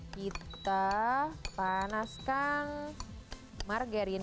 kita panaskan margarin